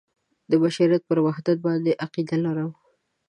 د بشریت پر وحدت باندې عقیده لرم.